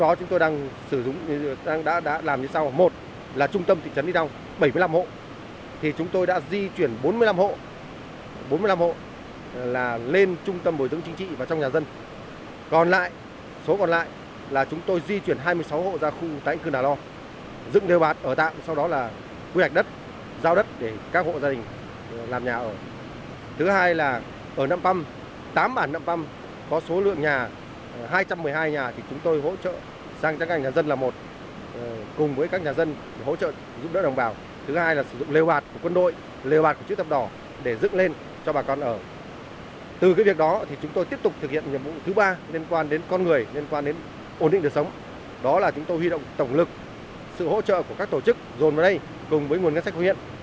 đó là chúng tôi huy động tổng lực sự hỗ trợ của các tổ chức dồn vào đây cùng với nguồn ngân sách huyện